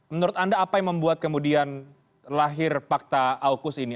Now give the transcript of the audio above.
menurut anda apa yang membuat kemudian lahir fakta aukus ini